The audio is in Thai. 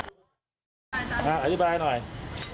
อันนี้เป็นแส้งกะหน่อมจีนไทยหลับค่ะ